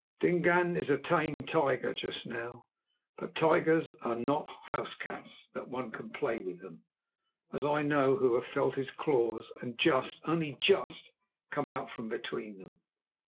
Dingaan is a tamed tiger just now, but tigers are not house cats that one can play with them, as I know, who have felt his claws and just, only just, come out from between them."